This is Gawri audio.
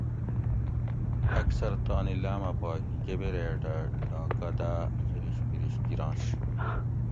اکثر تانی لاۤمہ پا کیبریٹہ ڈاکہ دا خریش پریش گِرنش